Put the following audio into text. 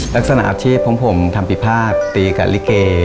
ลักษณะอาชีพของผมทำผิดภาคตีกับลิเก